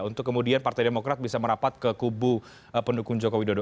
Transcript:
untuk kemudian partai demokrat bisa merapat ke kubu pendukung jokowi dodo